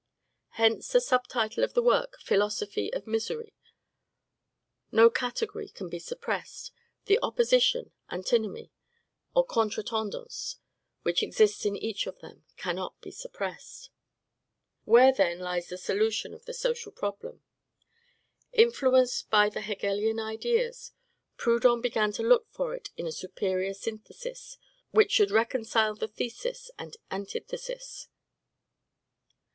Hence, the sub title of the work, "Philosophy of Misery." No category can be suppressed; the opposition, antinomy, or contre tendance, which exists in each of them, cannot be suppressed. Where, then, lies the solution of the social problem? Influenced by the Hegelian ideas, Proudhon began to look for it in a superior synthesis, which should reconcile the thesis and antithesis.